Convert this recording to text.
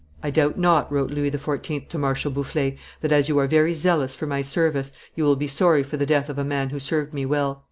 "I doubt not," wrote Louis XIV. to Marshal Boufflers, "that, as you are very zealous for my service, you will be sorry for the death of a man who served me well."